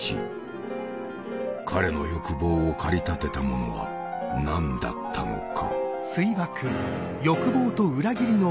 彼の欲望を駆り立てたものは何だったのか。